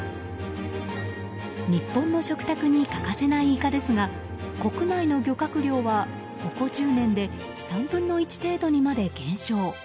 日本の食卓に欠かせないイカですが、国内の漁獲量はここ１０年で３分の１程度にまで減少。